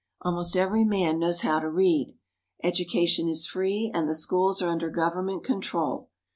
Almost every man knows how to read. Educa tion is free and the schools are under government control.